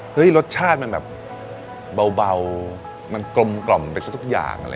รสชาติมันแบบเบามันกลมไปซะทุกอย่าง